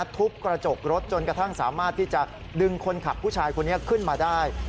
ทุบกระจกรถจนกระทั่งสามารถที่จะดึงคนขับผู้ชายคนนี้ขึ้นมาได้